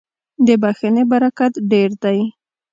• د بښنې برکت ډېر دی.